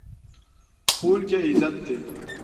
ښوونکی عزت دی.